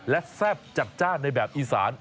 และแซ่บจัดจ้านในแบบอีสาน